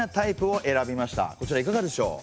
こちらいかがでしょう？